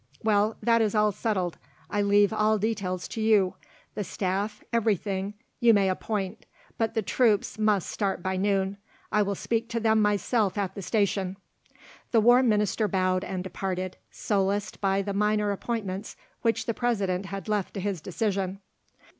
"Well, that is all settled. I leave all details to you. The Staff, everything, you may appoint; but the troops must start by noon. I will speak to them myself at the station." The War Minister bowed and departed, solaced by the minor appointments which the President had left to his decision.